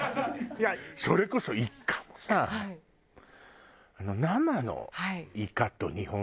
それこそイカもさ生のイカと日本酒。